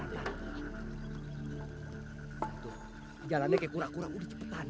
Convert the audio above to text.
jalan jalan seperti kurang kurang udah cepetan